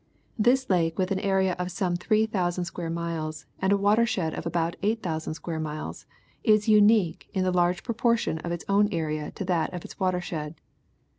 This lake with an area of some three thousand square miles and a water shed of about eight thousand square miles, is unique in the large proportion of its own area to that of its water shed.